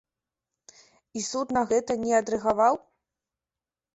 І суд на гэта не адрэагаваў?